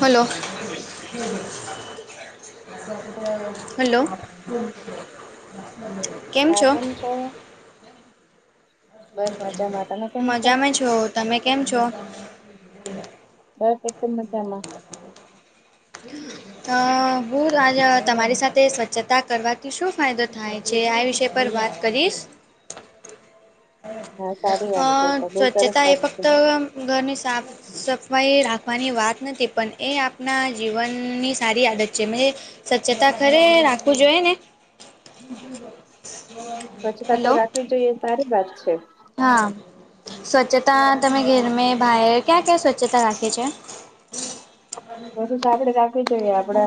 Hello. Hello. હા કેમ છો? બસ મજામાં તમે કેમ છો મજા મે છું. તમે કેમ છો? બસ એકદમ મજામાં. અહ હું [unintelligible] તમારી સાથે સ્વચ્છ- છતા કરવાથી શું ફાયદો થાય છે, આ વિષય પર વાત કરીશ. હા સારી વાત છે અહ તો બહુ સરસ સ્વચ્છતા એ વાત ફક્ત છે આમ ઘરની સાફ સફાઈ રાખવાની વાત નથી. પણ એ આપના જીવનની સારી આદત છે. મજે સ્વચ્છતા ખરે રાખવું જોઈએ ને. [inaudible] સ્વચ્છતા તો હલો રાખવી જોઈએ, એ સારી વાત છે. હા. સ્વચ્છતા તમે ઘેર મે, બાહેર, ક્યાં-ક્યાં સ્વચ્છતા રાખે છે? [unintelligible] રાખવી જઈએ આપણે.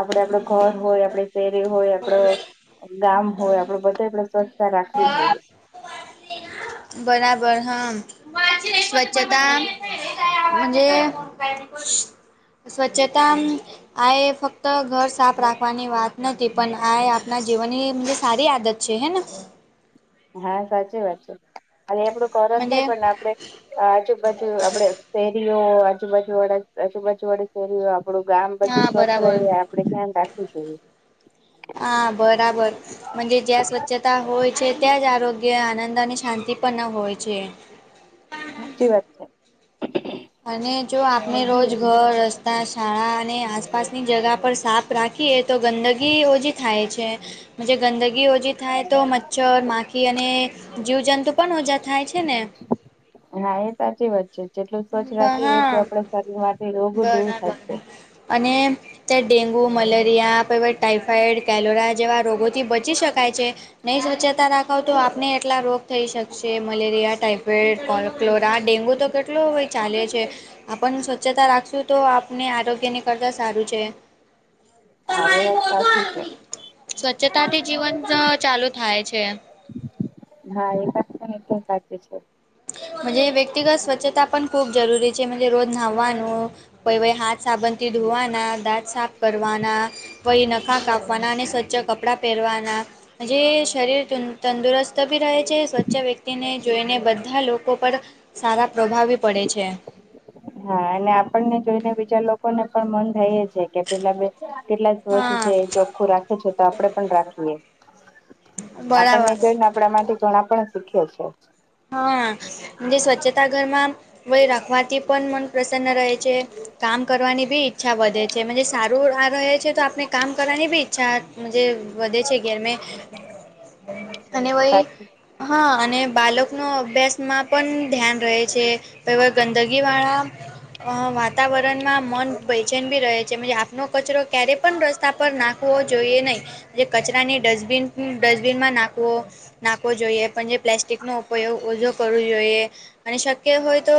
આપણે આપણું ઘર હોય, આપણી શેરી હોય, આપણું ગામ હોય. આપણે બધેય [unintelligible] સ્વચ્છતા રાખવી જોઈએ. બરાબર, હમ્મ. સ્વચ્છતા મજે સ્વચ્છતામ આ એ ફક્ત ઘર સાફ રાખવાની વાત નથી. પણ આ એ આપના જીવનની મજે સારી આદત છે હે ના? હા સાચી વાત છે. અને એ આપણું ઘર જ મજે નહીં, પણ આપણે આજુબાજુ આપડે સેરીઓ, આજુબાજુ વડા આજુબાજુ વડે શેરીઓ, આપડું ગામ હા બધું સ્વચ્છ રહે બરાબર આપડે ધ્યાન રાખવું જોઈએ. હા બરાબર મન્જે જ્યાં સ્વચ્છતા હોય છે, ત્યાં જ આરોગ્ય કે આનંદ અને શાંતિ પણ હોય છે. સાચી વાત છે. અને જો આપને રોજ ઘર, રસ્તા, શાળા અને આસપાસની જગા પર સાફ રાખીએ તો ગંદગી ઓછી થાય છે. મન્જે ગંદ ગી ઓછી થાય તો મચ્છર, માખી અને જીવજંતુ પણ ઓજા થાય છે ને, હા એ સાચી વાત છે જેટલું સ્વચ્છ રાખીએ એટલું હા આપડે શરીરમાંથી રોગ દૂર બરાબર થાય છે. અને, ત્યાં ડેન્ગુ, મલેરિયા, પ ટાઈફોઈડ, કેલોરા જેવા રોગોથી બચી શકાય છે‌. નહી સ્વચ્છતા રાખવ તો આપને એટલા રોગ થઈ શકશે મલેરિયા, ટાઈફોઇડ, કલોરા ડેગુ તો કેટ ચાલે છે આપણ સ્વચ્છતા રાખશું તો આપને આરોગ્યને કરતા સારું છે. [inaudible] હા એ વાત સાચી છે [unintelligible] સ્વચ્છતાથી જીવન ચાલુ થાય છે. હા એ વાત પણ એકદમ સાચી છે. મન્જે વ્યક્તિગત સ્વચ્છતા પણ ખૂબ જરૂરી છે, મન્જે રોજ નાવાનું, [unintelligible] ઈ હાથ સાબુથી ધોવાના, દાંત સાફ કરવાના, પહી નખાં કાપવાના અને સ્વચ્છ કપડાં પહેરવાના, જે શરીર તદ તંદુરસ્ત ભી રહે છે, સ્વચ્છ વ્યક્તિને જોઈને બધ બધા લોકો પર સારા પ્રભાવી પડે છે. હા અને આપણને જોઈને બીજા લોકોને પણ મન થાઇ જ જાય. કે પેલાં બેન કેટલા સ્વચ્છ હા છે, ચોખ્ખું રાખે છે તો આપડે પણ રાખીએ. બરાબર આપણને જોઈને આપણા માટે ઘણા પણ શીખે છે. હા જે સ્વચ્છતા ઘરમાં વળી રાખવાથી પણ મન પ્રસન્ન રહે છે, કામ કરવાની બી ઈ- ઈચ્છા વધે છે, સારું આ રહે છે તો આપણે કામ કરવાની બી ઈચ્છા મન્જે વધે છે ઘેરમે અને વય સાચી હા અને બાલ નો અભ્યાસમાં પણ ધ્યાન રહે છે પવા ગંદગી વાળા, અ વાતાવરણમાં મન ભયચેન ભી રહે છે આપનો કચરો ક્યારે, પણ રસ્તા પર નાખવો જોઈએ નહીજે કચરાની દસબીન ડસ્ટબિનમાં નાખવો નાખવો જોઈએ પણ જે પ્લાસ્ટિક નો ઉપયોગ ઓછો કરવો જોઈએ અને શક્ય હોય તો,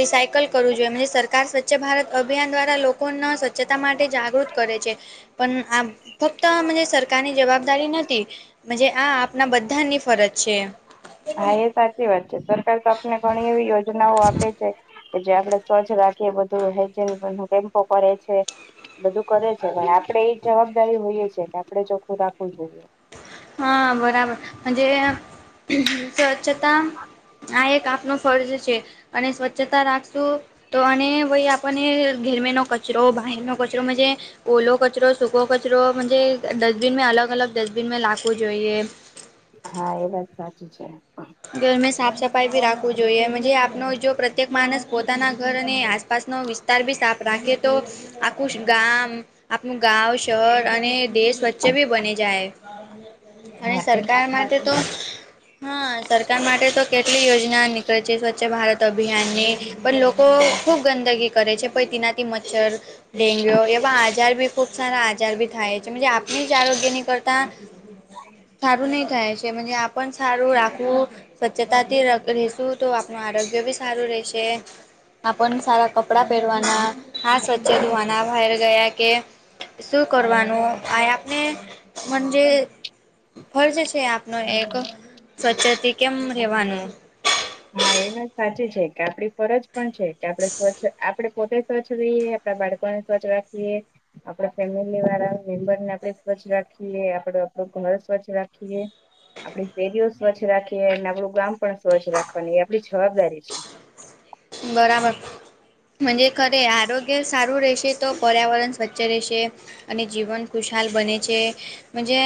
રિસાયકલ કરવું જોઈએ સરકાર સ્વચ્છ ભારત અભિયાન દ્વારા લોકોના સ્વચ્છતા માટે જાગૃત કરે છે. પણ આ ફક્ત મન્જે સરકારની જવાબદારી નથી. મજે આ આપના બધાની ફરજ છે. હા એ સાચી વાત છે સરકાર તો આપને ઘણી એવી યોજનાઓ આપે છે. કે જે આપણેે સ્વજ રાખીએ બધું હેજ કેમ્પો કરે છે. બધું કરે છે પણ આપડે એ જવાબદારી હોઈએ છે કે આપડે ચોખ્ખું રાખવું જોઈએ. હા બરાબર હજે, સ્વચ્છતા આ એક આપનો ફર્જ છે. અને સ્વચ્છતા રાખશું, તો અને ભાઈ આપણને ગેરમેનો કચરો બહારનો કચરો મન્જે, ઓલો કચરો સૂકો કચરો મજે ડસ્ટબિન મેં અલગ અલગ ડસ્ટબિન મેં લાગવું જોઈએ. હા, એ વાત સાચી છે. ઘરમે સાફ સફાઈ ભી રાખવું જોઈએ મજે આપનો જો પ્રત્યેક માણસ પોતાના ઘર અને આસપાસનો વિ સ્તારબી સાફ રાખે તો આખું ગામ આપણું ગાવ, શહર અને દેશ વચ્ચે બી બની જાય અને હા એ વાત સરકાર માટે સાચી તો છે. હા, સરકાર માટે તો કેટલી યોજના નીકળે છે સ્વચ્છ ભારત અભિયાનની પણ લો કો ખૂબ ગંદગી કરે છે પહી તેનાથી મચ્છર, ડેન્ગ્યુ એવા અજાયબી ખૂબ સારા આજાર બી થાય છે મજે આપણે જ આરોગ્યની કરતા સારું નહી થાય છે મજે આપણ સારું રાખવું સ્વચ્છતાથી રેશું તો આપણ આરોગ્ય બી સારું રહેશે. આપણ સારા કપડાં પહેરવાના હાથ સ્વચ્છ ધોવાના બાયર ગયા કે શું કરવાનું આ આપને મંજે ફર્જ છે આ પણ એક સ્વચ્છતી કેમ રહેવાનું હા, એ વાત સાચી છે કે આપડી ફરજ પણ છે કે આપડે સ્વચ્છ આપડે પોતે સ્વચ્છ રઈએ આપડા બાળકોને સ્વચ્છ રાખીએ આપડા ફેમિલીવાળા મેમ્બરને આપણે સ્વચ્છ રાખીએ, આપડ આપડું ઘર સ્વચ્છ રાખીએ, આપડી ફેરીઓ સ્વચ્છ રાખીએ અને આપડું ગામ પણ સ્વચ્છ રાખવાની એ આપડી જવાબદારી છે. બરાબર. મજે ખરે આરોગ્ય સારું રહેશે તો પર્યાવરણ સ્વચ્છ રહેશે. અને જીવન ખુશાલ બને છે મજે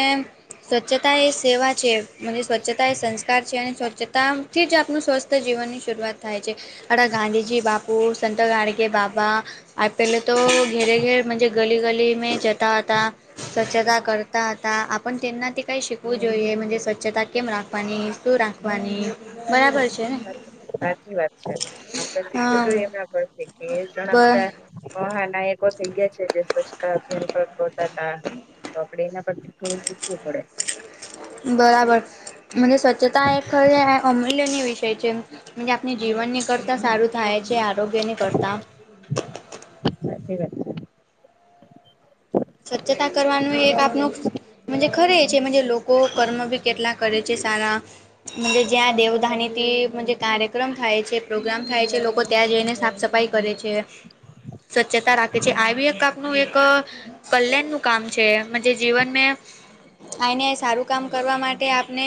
સ્વચ્છતા એ સેવા છે. મજે સ્વચ્છતા એ સંસ્કાર છે અને સ્વચ્છતાથી જ આપણું સ્વસ્થ જીવનની શરૂઆત થાય છે. અડા ગાંધીજી બાપુ સંત [unintelligible] બાબા આ પહેલે તો ઘેરે ઘેર મજે ગલી ગલી મે જતા હતાં. સ્વચ્છતા કરતા હતા. આપ પણ તેમનાથી કઈ શિકવું જોઈએ મજે સ્વચ્છતા કેમ રાખવાની શું રાખવાની બરાબર છે. ને સાચી વાત છે આપડ શીખવું હા જોઈએ એના પરથી કે ઘણા બ બધા મહાનાયકો થઈ ગયા છે જે સ્વચ્છતા અભિયાનતા [unintelligible] આપડે એના પર થોડું શીખવું પડે. બરાબર મજે સ્વચ્છતા એ ખર અમૂલ્યનીય વિષય છે. આપણી જીવનની કરતા સારું થાઈ છે આરોગ્યની કરતા [unintelligible] સાચી વાત છે. સ્વચ્છતા કરવાનું એક આપનું મજે ખરે છે મજે લોકો કર્મ બી કેટલા કરે છે સારા જ્યાં દેવધાનીથી મજે કાર્યક્રમ થાય છે પ્રોગ્રામ થાય છે લોકો ત્યાં જઈને સાફ સફાઈ કરે છે. સ્વચ્છતા રાખે છે આ બી એક આપનું એક કલ્યાણનું કામ છે મજે જીવન મે આયને આય સારું કામ કરવા માટે આપને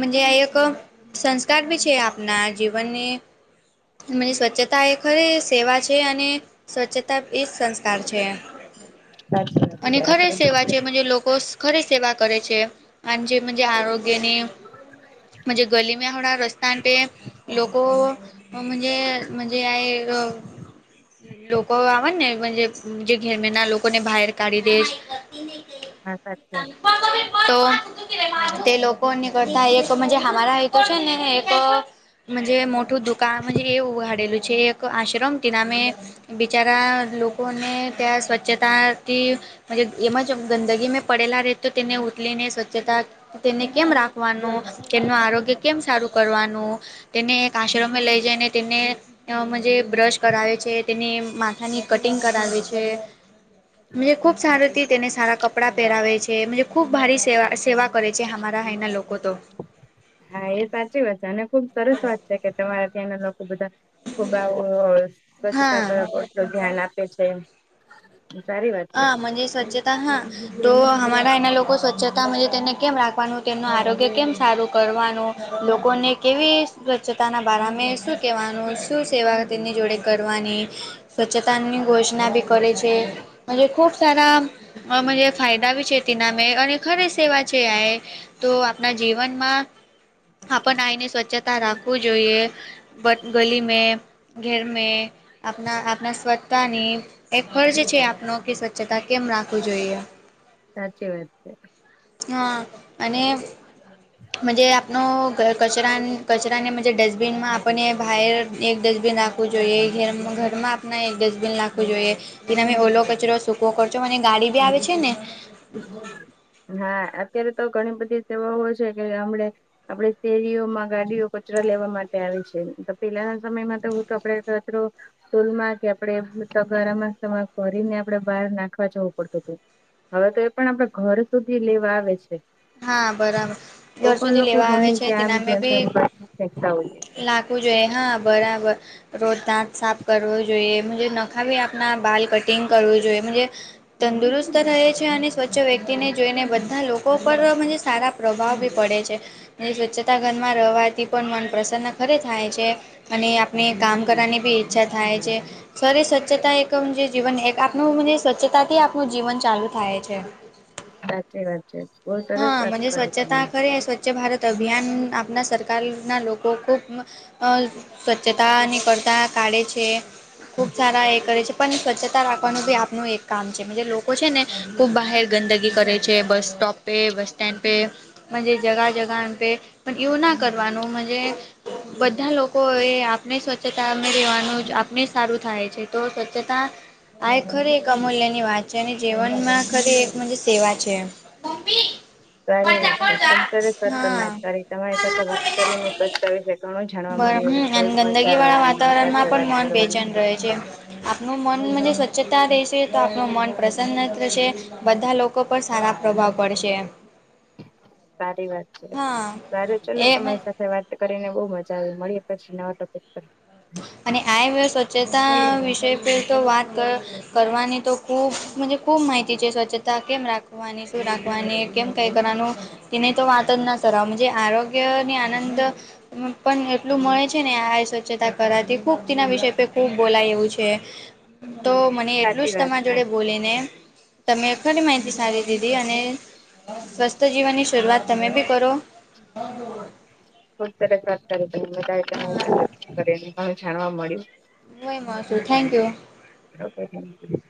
મજે આ એક ક સંસ્કાર બી છે આપના જીવનને મજે સ્વચ્છતા એ ખરી સેવા છે અને સ્વચ્છતા એ જ સંસ્કાર છે. સાચી વાત અને છે આપડે ખરી સેવા છે બધું મજે લોકો ખરી સેવા કરે છે અને જે મજે આરોગ્યની મજે ગલી મેહોના રસ્તા તે લોકો અ મજે મજે આ એ અ લોકો આવે ને મજે જે ઘેરમેના લોકોને બહાર કાઢી દે. હા [unintelligible] [unintelligible] તો તે લોકોની કરતા એક મજે હાવારા એ તો છે ને એક મજે મોટું દુકાન એ ઉહાડેલું છે મજે એક આશ્રમ, તે નામે બિચારા લોકોને ત્યાં સ્વચ્છતા, તે એમાં જ ગંદગી મેં પડેલા રહે તો તેને ઉતલીને સ્વચ્છતા, તેને કેમ રાખવાનું! તેમનું આરોગ્ય કેમ સારું કરવાનું! તેને એક આશ્રમે લઈ જઈને તેને, અમા જે બ્રશ કરાવે છે, તેની માથાની કટિંગ કરાવે છે. મજે ખુબ સારી રીતે તેને સારા કપડાં પહેરાવે છે. મજે ખૂબ ભારી સેવા સેવા, કરે છે હમારા અહીંના લોકો તો. હા એ સાચી વાત છે અને ખુબ સરસ વાત છે કે તમારા ત્યાંના લોકો બધા ખુબ આવું અ સ્વચ્છતા હા પર પૂરતું ધ્યાન આપે છે. સારી વાત છે હા મજે સ્વચ્છતા હા, તો અમારા અયના લોકો સ્વચ્છતા મજે તેને કેમ રાખવાનું? તેમનું આરોગ્ય કેમ સારું કરવાનું? લોકોને કેવી સ્વચ્છતાના બારા મે શું કેવાનું શું સેવા તેમની જોડે? કરવાની સ્વચ્છતાની ઘોષના બી કરે છે. અને ખૂબ સારા અ મજે ફાયદા બી છેે તે નામે અને ખરી સેવા છે આ એ, તો આપણા જીવનમાં આપણે આઈને સ્વચ્છતા રાખવું જોઈએ. બટ ગલી મે, ઘેર મે આપણા આપણા સ્વચ્છતાની એ ફર્જ છે આપણો, કે સ્વચ્છતા કેમ રાખવુ જોઈએ. સાચી વાત છે. હ અને મજે આપ. નો ઘર કચરા કચરાને મજે ડસ્ટબિનમાં આપણને બાહેર એક ડસ્ટબિન રાખ જોઈએ ઘ ઘરમાં આપને એક ડસ્ટબિન રાખવું જોઈએ જેનાથી ઓલો કચ કચરો સૂકો કચરો અને ગાડી બી આવે છે ને! હા અત્યારે તો ઘણી બધી સેવાઓ છે કે લે હમડે, આપડે શેરીઓમાં ગાડીઓ કચરા લેવા માટે આવી છે. તો પેલાના સમયમાં તો એવુ તો આપડે કચરો સ્તૂલમાં કે આપડે તગારામાં ભરીને આપડે બહાર નાખવા જવું પડતું હતું. હવે તો એ પણ આપડે ઘર સુધી લેવા આવે છે. હા, બરાબર તો ઘર પણ સુધી લોકો લેવા આવે ગમે છે તે ત્યાં આમ નામે જેમ બી તેમ ફેંકતા હોઈએ લાખ છે રાખવું જોઈએ. હા, બરાબર. રોજ દાંત સાફ કરવો જોઈએ. મજે નખાવી આપના બાલ કટિંગ કરવું જોઈએ. મજે, તંદુરસ્ત રહે છે અને સ્વચ્છ વ્યક્તિને જોઈને બધા લોકો ઉપર મજે સારા પ્રભાવ બી પડે છે. સ્વચ્છતા ઘરમાં રવાથી પણ મન પ્રસન્ન ખરે થાય છે. અને આપણે કામ કરવાની બી ઈચ્છા થાય છે. સારી સ્વચ્છતા એકમ જે જીવન એક આપનું ને સ્વચ્છતા થી આપનું જીવન ચાલુ થાય છે. સાચી વાત છે. [unintelligible] હા. મજે કરી તમે. સ્વચ્છતા કરીએ, સ્વચ્છ ભારત અભિયાન આપના સર કાલના લોકો ખૂબ અહ સ્વચ્છતા નીકળતા કાઢે છે. ખુબ સારા એ કરે છે. પન સ્વચ્છતા રાખવાનું ભી આપનું એક કામ છે. મજે લોકો છે ને ખૂબ બહાર ગંદગી કરે છે, બસ સ્ટોપ પે બસ સ્ટેન્ડ પે, મજે જગા-જગા પે, પણ ય ના કરવાનું મજે બધા લોકો એ આપણે સ્વચ્છતા મે રહેેવાનું જ આપને સારું થાય છે. તો સ્વચ્છતા આ એક ખરી એક અમૂલ્ય ની વાત છે. અને જીવનમાં ખરી એક મજે સેવા છે. મમ્મી સારી વાત છે. ખુબ સરસ વાત સારી વાત છે ખૂબ સરસ આજ તમે હા. વાત કરી. તમારી સાથે વાત કરીને. [unintelligible] મળ્યું અને [unintelligible] બહુ મજા ગંદકી આવે વાળા તમારી વાતાવરણ માં સાથે પણ વાત મન કરવાની બેચેન રહે છે. આપનું મન મનજે સ્વચ્છતા રહેશે તો આપણ મન પ્રસન્ન [unintelligible] છે. બધા લોકો પર સારા પ્રભાવ પડશે. સારી વાત છે. હા સારું ચલો, એ તમારી સાથે વાત. કરીને બહુ મજા આવી. મળીએ પછી નવા ટોપિક પર. અને આઈવે સ્વચ્છતા વિષય પે તો વાત કર. કરવાની તો ખૂબ મંજે ખૂબ માહિતી છે, સ્વચ્છતા કેમ રાખવાની, શું રાખવાની, કેમ [inaudible] કરવાનું, તેને તો વાત જ ન કરા. મંજે આરોગ્ય ને આનંદ હું પણ એટલું મળે છે ને આયે સ્વચ્છતા. કરાતી ખુબ તેના વિષય પે ખુબ બોલાય એવું છે. તો મને એટલું જ સાચી વાત તમારા છે. જોડે બોલીને તમે. ખરી માહિતી સારી દીધી, અને સ્વસ્થ જીવનની શરૂઆત તમે ભી કરો. [inaudible] ખુબ સરસ વાત કરી તમે. હા [unintelligible] ઘણું જાણવા મળ્યું. હૂં એ મસ્ત છુ થેન્ક યું. [unintelligible]